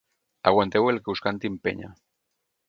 Aguanteu el que us canti en Penya.